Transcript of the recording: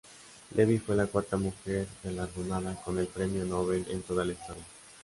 Levi fue la cuarta mujer galardonada con el premio Nobel en toda la historia.